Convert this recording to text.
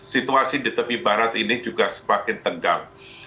situasi di tepi barat ini juga semakin tendam